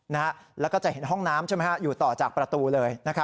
แล้วก็จะเห็นห้องน้ำใช่ไหมฮะอยู่ต่อจากประตูเลย